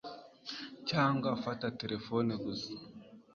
cyangwa fata terefone gusa